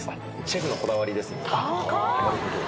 シェフのこだわりですので。